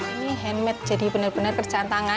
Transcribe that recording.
ini handmade jadi benar benar kerjaan tangan